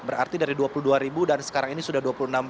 berarti dari dua puluh dua ribu dan sekarang ini sudah dua puluh enam